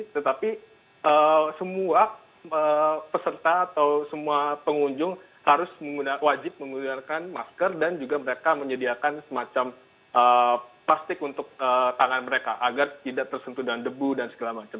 tetapi semua peserta atau semua pengunjung harus wajib menggunakan masker dan juga mereka menyediakan semacam plastik untuk tangan mereka agar tidak tersentuh dengan debu dan segala macam